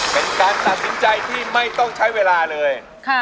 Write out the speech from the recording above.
เป็นการตัดสินใจที่ไม่ต้องใช้เวลาเลย